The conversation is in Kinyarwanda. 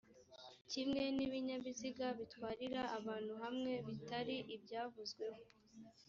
kimwe n ibinyabiziga bitwarira abantu hamwe bitari ibyavuzwe ho.